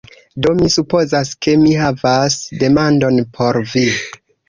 Do mi supozas ke mi havas demandon por vi: